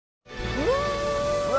うわ！